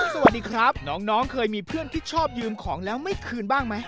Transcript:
สวัสดีครับน้องเคยมีเพื่อนที่ชอบยืมของแล้วไม่คืนบ้างไหม